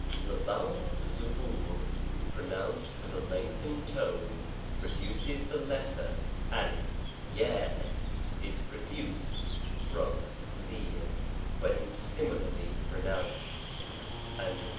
THE vowel %>ulur (') pronounced with a lengthened tone, produces the letter f ; is pro duced from %er (^) when similarly pronounced; and